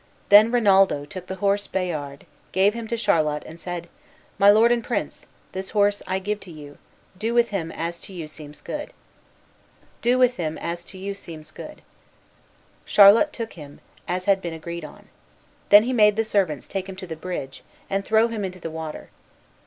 Then Rinaldo took the horse Bayard, gave him to Charlot, and said, "My lord and prince, this horse I give to you; do with him as to you seems good." Charlot took him, as had been agreed on. Then he made the servants take him to the bridge, and throw him into the water.